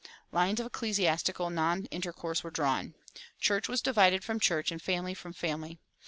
Lines of ecclesiastical non intercourse were drawn. Church was divided from church, and family from family.